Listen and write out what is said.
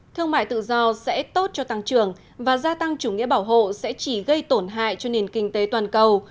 thương mại tự do sẽ tốt cho tăng trưởng và gia tăng chủ nghĩa bảo hộ sẽ chỉ gây tổn hại cho nền kinh tế toàn cầu